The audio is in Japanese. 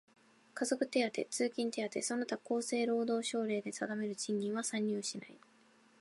家族手当、通勤手当その他厚生労働省令で定める賃金は算入しない。